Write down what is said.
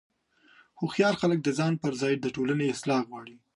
هوښیار خلک د ځان پر ځای د ټولنې اصلاح غواړي.